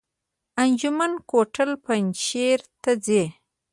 انجمین کوتل پنجشیر ته ځي؟